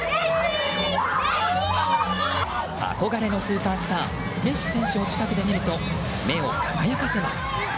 憧れのスーパースターメッシ選手を近くで見ると目を輝かせます。